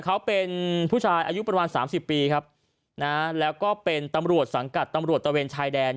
เขาเป็นผู้ชายอายุประมาณสามสิบปีครับนะแล้วก็เป็นตำรวจสังกัดตำรวจตะเวนชายแดน